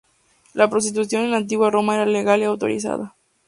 La prostitución en la antigua Roma era legal y autorizada.